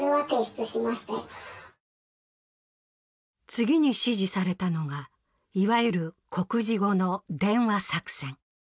次に指示されたのがいわゆる告示後の電話作戦。